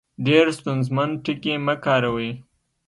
ډېر ستونزمن ټکي مۀ کاروئ